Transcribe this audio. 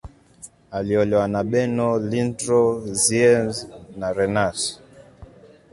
Aliolewa na Bernow, Lindström, Ziems, na Renat.